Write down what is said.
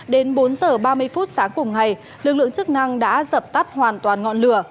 đến bốn h ba mươi phút sáng cùng ngày lực lượng chức năng đã dập tắt hoàn toàn ngọn lửa